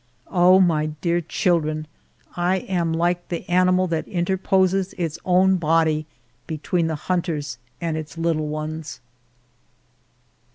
Oh, my dear children ! I am like the animal that interposes its own body between the hunters and its little ones.